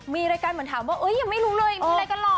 มีรายการเหมือนถามว่ายังไม่รู้เลยมีอะไรกันหรอ